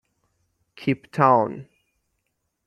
کیپ تاون